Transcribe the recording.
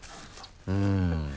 うん。